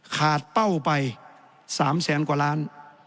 เป้าไป๓แสนกว่าล้าน